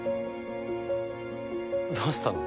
どうしたの？